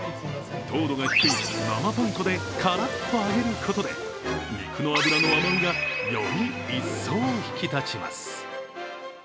糖度が低い生パン粉でカラッと揚げることで肉の脂の甘みがより一層引き立ちます。